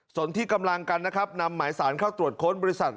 ส่วนที่กำลังกันนะครับนำหมายสารเข้าตรวจค้นบริษัท